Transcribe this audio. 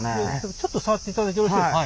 ちょっと触っていただいてよろしいですか？